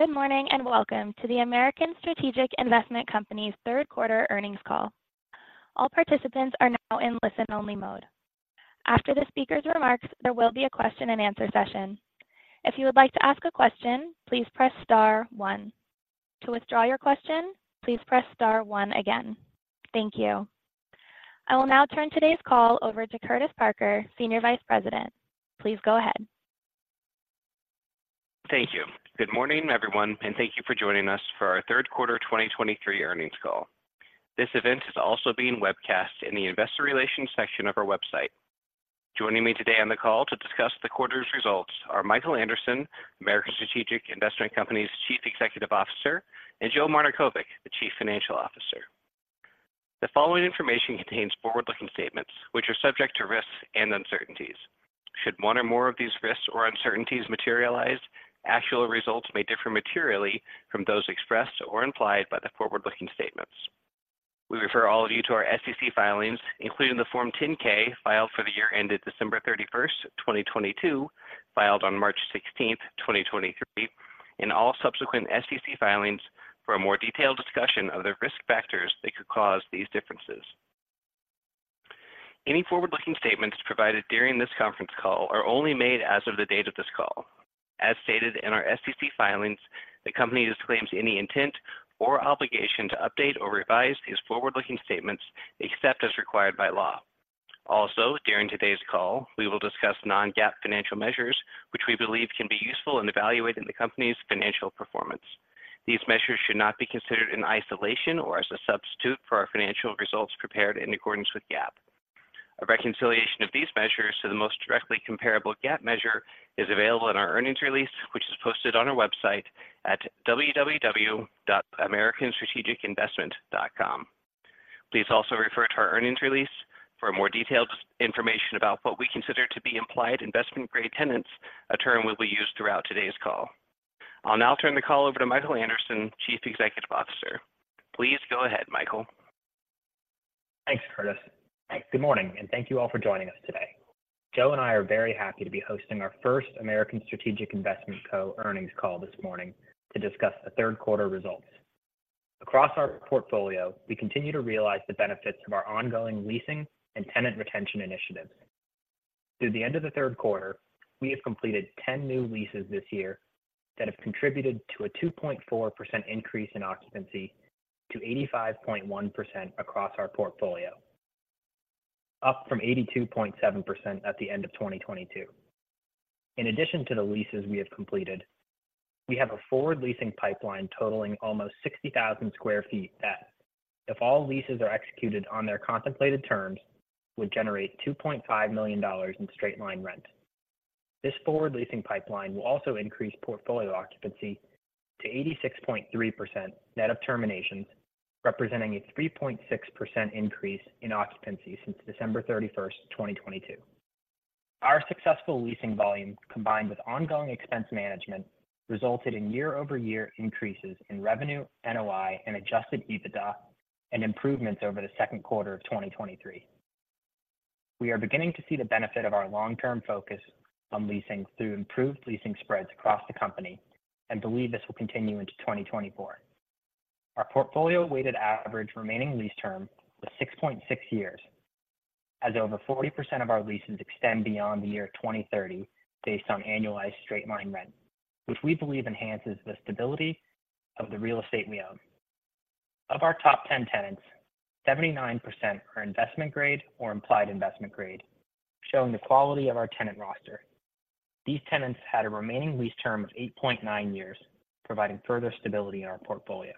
Good morning, and welcome to the American Strategic Investment Company's third quarter earnings call. All participants are now in listen-only mode. After the speaker's remarks, there will be a question and answer session. If you would like to ask a question, please press star one. To withdraw your question, please press star one again. Thank you. I will now turn today's call over to Curtis Parker, Senior Vice President. Please go ahead. Thank you. Good morning, everyone, and thank you for joining us for our third quarter 2023 earnings call. This event is also being webcast in the Investor Relations section of our website. Joining me today on the call to discuss the quarter's results are Michael Anderson, American Strategic Investment Company's Chief Executive Officer, and Joe Marnikovic, the Chief Financial Officer. The following information contains forward-looking statements which are subject to risks and uncertainties. Should one or more of these risks or uncertainties materialize, actual results may differ materially from those expressed or implied by the forward-looking statements. We refer all of you to our SEC filings, including the Form 10-K filed for the year ended December 31, 2022, filed on March 16, 2023, and all subsequent SEC filings for a more detailed discussion of the risk factors that could cause these differences. Any forward-looking statements provided during this conference call are only made as of the date of this call. As stated in our SEC filings, the company disclaims any intent or obligation to update or revise these forward-looking statements, except as required by law. Also, during today's call, we will discuss non-GAAP financial measures, which we believe can be useful in evaluating the company's financial performance. These measures should not be considered in isolation or as a substitute for our financial results prepared in accordance with GAAP. A reconciliation of these measures to the most directly comparable GAAP measure is available in our earnings release, which is posted on our website at www.americanstrategicinvestment.com. Please also refer to our earnings release for more detailed information about what we consider to be implied investment-grade tenants, a term we'll be using throughout today's call. I'll now turn the call over to Michael Anderson, Chief Executive Officer. Please go ahead, Michael. Thanks, Curtis. Good morning, and thank you all for joining us today. Joe and I are very happy to be hosting our first American Strategic Investment Co. earnings call this morning to discuss the third quarter results. Across our portfolio, we continue to realize the benefits of our ongoing leasing and tenant retention initiatives. Through the end of the third quarter, we have completed 10 new leases this year that have contributed to a 2.4% increase in occupancy to 85.1% across our portfolio, up from 82.7% at the end of 2022. In addition to the leases we have completed, we have a forward leasing pipeline totaling almost 60,000 sq ft that, if all leases are executed on their contemplated terms, would generate $2.5 million in straight-line rent. This forward leasing pipeline will also increase portfolio occupancy to 86.3% net of terminations, representing a 3.6% increase in occupancy since December 31, 2022. Our successful leasing volume, combined with ongoing expense management, resulted in year-over-year increases in revenue, NOI, and adjusted EBITDA, and improvements over the second quarter of 2023. We are beginning to see the benefit of our long-term focus on leasing through improved leasing spreads across the company and believe this will continue into 2024. Our portfolio weighted average remaining lease term was 6.6 years, as over 40% of our leases extend beyond the year 2030, based on annualized straight-line rent, which we believe enhances the stability of the real estate we own. Of our top 10 tenants, 79% are investment-grade or implied investment-grade, showing the quality of our tenant roster. These tenants had a remaining lease term of 8.9 years, providing further stability in our portfolio.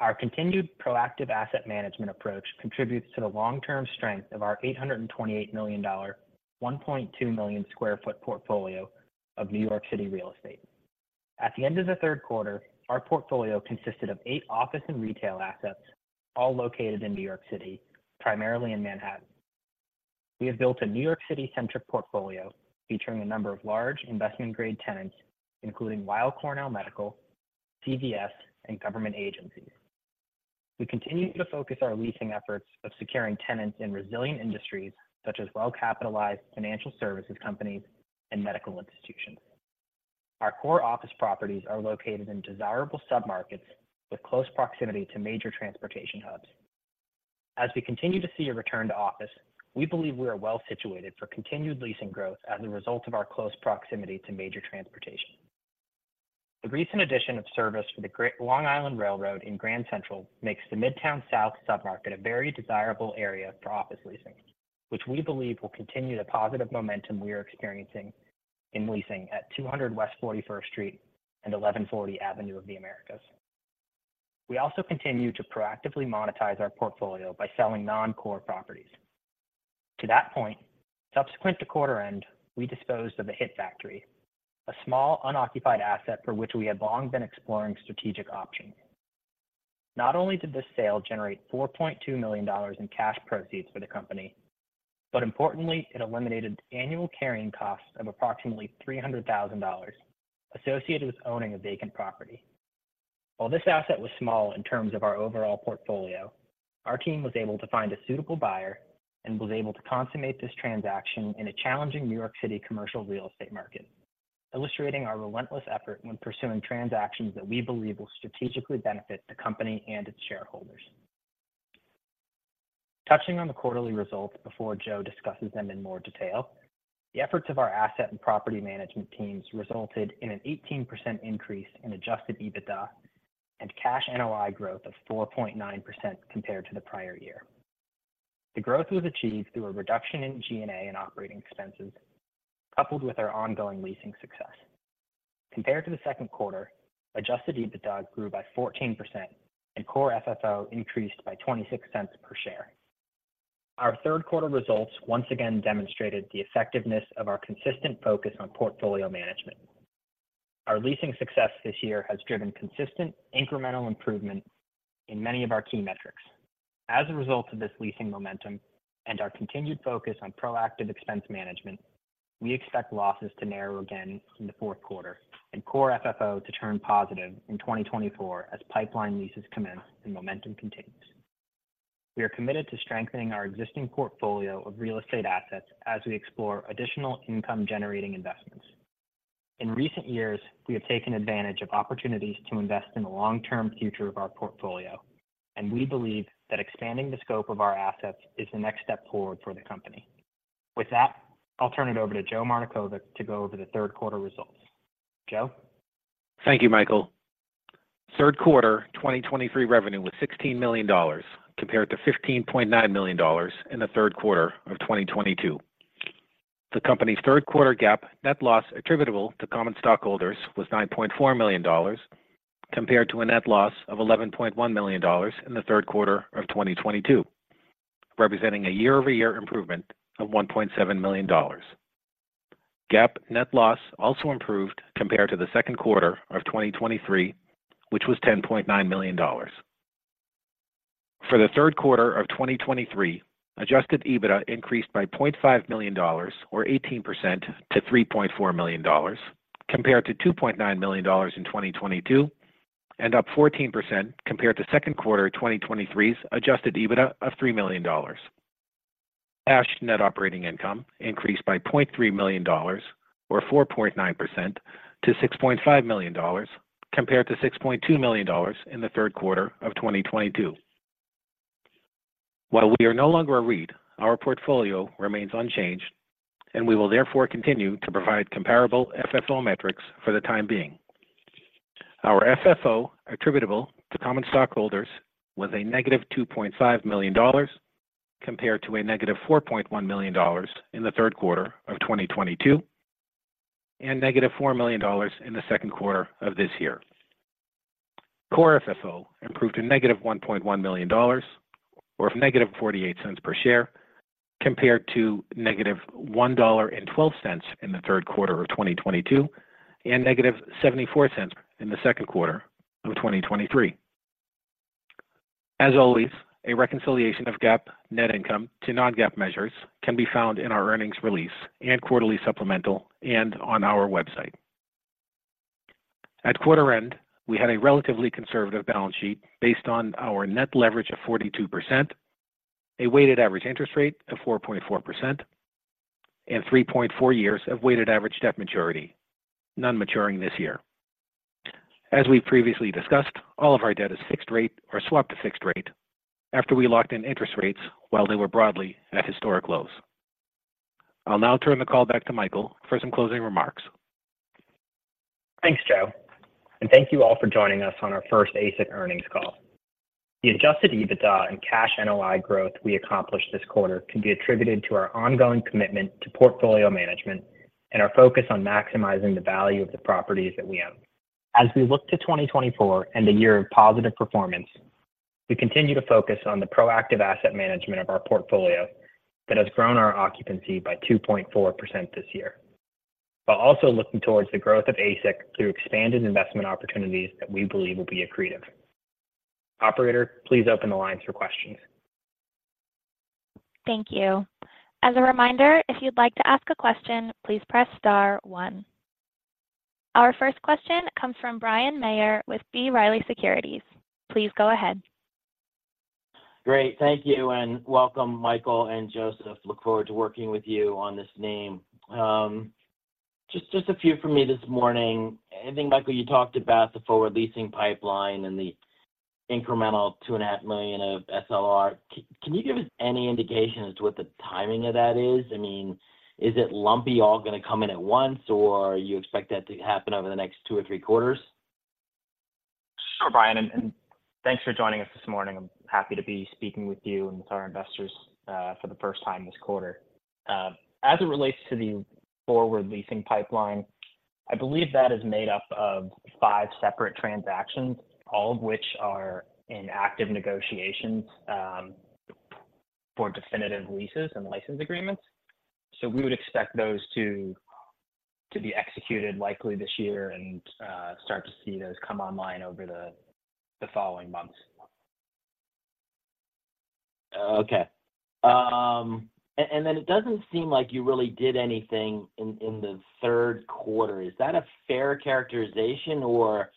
Our continued proactive asset management approach contributes to the long-term strength of our $828 million, 1.2 million sq ft portfolio of New York City real estate. At the end of the third quarter, our portfolio consisted of eight office and retail assets, all located in New York City, primarily in Manhattan. We have built a New York City-centric portfolio featuring a number of large investment-grade tenants, including Weill Cornell Medicine, CVS, and government agencies. We continue to focus our leasing efforts of securing tenants in resilient industries such as well-capitalized financial services companies and medical institutions. Our core office properties are located in desirable submarkets with close proximity to major transportation hubs. As we continue to see a return to office, we believe we are well situated for continued leasing growth as a result of our close proximity to major transportation. The recent addition of service for the Long Island Rail Road in Grand Central makes the Midtown South submarket a very desirable area for office leasing, which we believe will continue the positive momentum we are experiencing in leasing at 200 West 41st Street and 1140 Avenue of the Americas. We also continue to proactively monetize our portfolio by selling non-core properties. To that point, subsequent to quarter end, we disposed of the Hit Factory, a small, unoccupied asset for which we had long been exploring strategic options. Not only did this sale generate $4.2 million in cash proceeds for the company, but importantly, it eliminated annual carrying costs of approximately $300,000 associated with owning a vacant property. While this asset was small in terms of our overall portfolio, our team was able to find a suitable buyer and was able to consummate this transaction in a challenging New York City commercial real estate market, illustrating our relentless effort when pursuing transactions that we believe will strategically benefit the company and its shareholders. Touching on the quarterly results before Joe discusses them in more detail, the efforts of our asset and property management teams resulted in an 18% increase in Adjusted EBITDA and Cash NOI growth of 4.9% compared to the prior year. The growth was achieved through a reduction in G&A and operating expenses, coupled with our ongoing leasing success. Compared to the second quarter, adjusted EBITDA grew by 14% and core FFO increased by $0.26 per share. Our third quarter results once again demonstrated the effectiveness of our consistent focus on portfolio management. Our leasing success this year has driven consistent incremental improvement in many of our key metrics. As a result of this leasing momentum and our continued focus on proactive expense management, we expect losses to narrow again in the fourth quarter and core FFO to turn positive in 2024 as pipeline leases commence and momentum continues. We are committed to strengthening our existing portfolio of real estate assets as we explore additional income-generating investments. In recent years, we have taken advantage of opportunities to invest in the long-term future of our portfolio, and we believe that expanding the scope of our assets is the next step forward for the company. With that, I'll turn it over to Joe Marnikovic to go over the third quarter results. Joe? Thank you, Michael. Third quarter 2023 revenue was $16 million, compared to $15.9 million in the third quarter of 2022. The company's third quarter GAAP net loss attributable to common stockholders was $9.4 million, compared to a net loss of $11.1 million in the third quarter of 2022, representing a year-over-year improvement of $1.7 million. GAAP net loss also improved compared to the second quarter of 2023, which was $10.9 million. For the third quarter of 2023, Adjusted EBITDA increased by $0.5 million, or 18% to $3.4 million, compared to $2.9 million in 2022, and up 14% compared to second quarter of 2023's Adjusted EBITDA of $3 million. Cash net operating income increased by $0.3 million, or 4.9% to $6.5 million, compared to $6.2 million in the third quarter of 2022. While we are no longer a REIT, our portfolio remains unchanged, and we will therefore continue to provide comparable FFO metrics for the time being. Our FFO attributable to common stockholders was -$2.5 million, compared to -$4.1 million in the third quarter of 2022, and -$4 million in the second quarter of this year. Core FFO improved to -$1.1 million, or -$0.48 per share, compared to -$1.12 in the third quarter of 2022, and -$0.74 in the second quarter of 2023. As always, a reconciliation of GAAP net income to non-GAAP measures can be found in our earnings release and quarterly supplemental and on our website. At quarter end, we had a relatively conservative balance sheet based on our net leverage of 42%, a weighted average interest rate of 4.4%, and 3.4 years of weighted average debt maturity, none maturing this year. As we previously discussed, all of our debt is fixed rate or swapped to fixed rate after we locked in interest rates while they were broadly at historic lows. I'll now turn the call back to Michael for some closing remarks. Thanks, Joe, and thank you all for joining us on our first ASIC earnings call. The adjusted EBITDA and cash NOI growth we accomplished this quarter can be attributed to our ongoing commitment to portfolio management and our focus on maximizing the value of the properties that we own. As we look to 2024 and a year of positive performance, we continue to focus on the proactive asset management of our portfolio that has grown our occupancy by 2.4% this year, while also looking towards the growth of ASIC through expanded investment opportunities that we believe will be accretive. Operator, please open the lines for questions. Thank you. As a reminder, if you'd like to ask a question, please press star one. Our first question comes from Bryan Maher with B. Riley Securities. Please go ahead. Great. Thank you, and welcome, Michael and Joseph. Look forward to working with you on this name. Just a few from me this morning. I think, Michael, you talked about the forward leasing pipeline and the incremental $2.5 million of SLR. Can you give us any indication as to what the timing of that is? I mean, is it lumpy all going to come in at once, or you expect that to happen over the next two or three quarters? Sure, Brian, and thanks for joining us this morning. I'm happy to be speaking with you and to our investors for the first time this quarter. As it relates to the forward leasing pipeline, I believe that is made up of five separate transactions, all of which are in active negotiations for definitive leases and license agreements. So we would expect those to be executed likely this year and start to see those come online over the following months.... Okay. And then it doesn't seem like you really did anything in the third quarter. Is that a fair characterization, or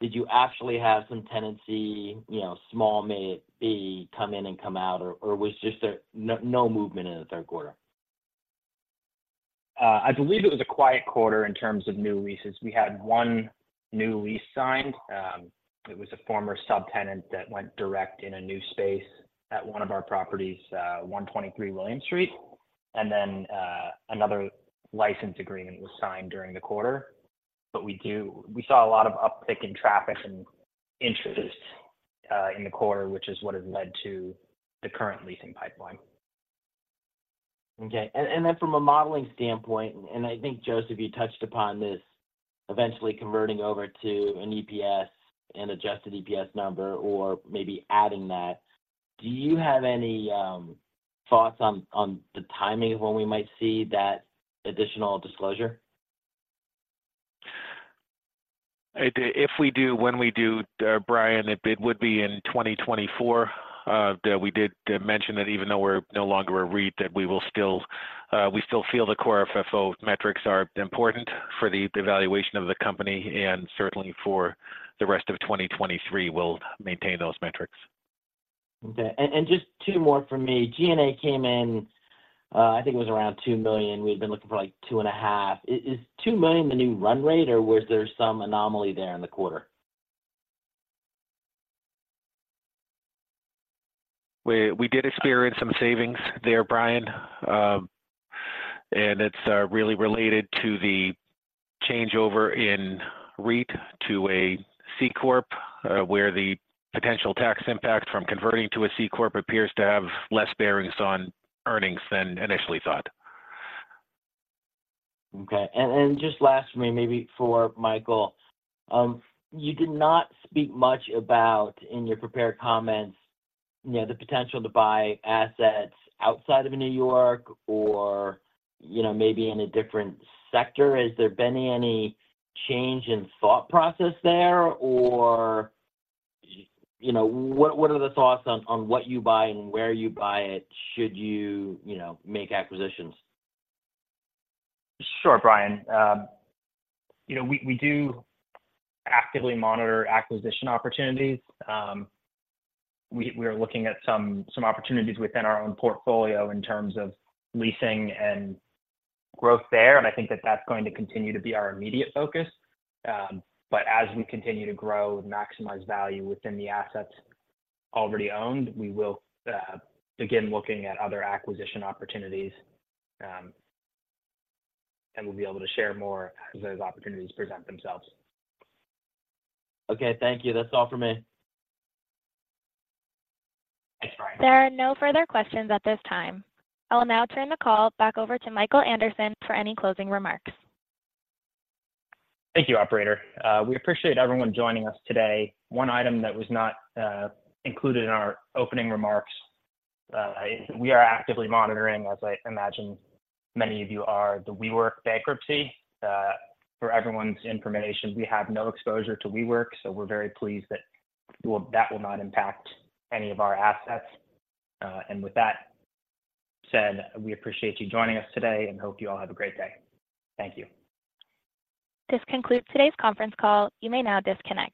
did you actually have some tenancy, you know, small may it be, come in and come out, or was there just no movement in the third quarter? I believe it was a quiet quarter in terms of new leases. We had one new lease signed. It was a former subtenant that went direct in a new space at one of our properties, 123 William Street. And then, another license agreement was signed during the quarter. But we saw a lot of uptick in traffic and interest, in the quarter, which is what has led to the current leasing pipeline. Okay. And then from a modeling standpoint, and I think, Joseph, you touched upon this, eventually converting over to an EPS and adjusted EPS number or maybe adding that. Do you have any thoughts on the timing of when we might see that additional disclosure? If, if we do, when we do, Brian, it would be in 2024. That we did mention that even though we're no longer a REIT, that we will still, we still feel the core FFO metrics are important for the evaluation of the company, and certainly for the rest of 2023, we'll maintain those metrics. Okay. And just two more for me. G&A came in, I think it was around $2 million. We've been looking for, like, $2.5 million. Is $2 million the new run rate, or was there some anomaly there in the quarter? We did experience some savings there, Brian. And it's really related to the changeover in REIT to a C corp, where the potential tax impact from converting to a C corp appears to have less bearings on earnings than initially thought. Okay. And just last for me, maybe for Michael. You did not speak much about, in your prepared comments, you know, the potential to buy assets outside of New York or, you know, maybe in a different sector. Has there been any change in thought process there, or, you know, what are the thoughts on what you buy and where you buy it, should you, you know, make acquisitions? Sure, Brian. You know, we do actively monitor acquisition opportunities. We are looking at some opportunities within our own portfolio in terms of leasing and growth there, and I think that that's going to continue to be our immediate focus. But as we continue to grow and maximize value within the assets already owned, we will begin looking at other acquisition opportunities. And we'll be able to share more as those opportunities present themselves. Okay. Thank you. That's all for me. Thanks, Brian. There are no further questions at this time. I will now turn the call back over to Michael Anderson for any closing remarks. Thank you, operator. We appreciate everyone joining us today. One item that was not included in our opening remarks is we are actively monitoring, as I imagine many of you are, the WeWork bankruptcy. For everyone's information, we have no exposure to WeWork, so we're very pleased that will not impact any of our assets. With that said, we appreciate you joining us today and hope you all have a great day. Thank you. This concludes today's conference call. You may now disconnect.